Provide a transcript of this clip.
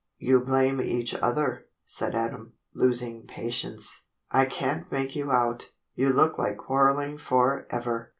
"You blame each other," said Adam, losing patience. "I can't make you out. You look like quarrelling for ever."